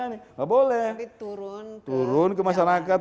tidak boleh turun turun ke masyarakat